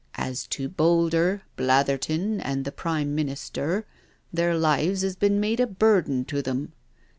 As to Boulder, Blatherton, and the Prime Minister, their lives 'as been made a burden to them.